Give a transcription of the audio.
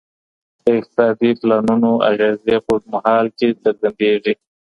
د اقتصادي پلانونو اغیزې په اوږدمهال کي څرګندیږي.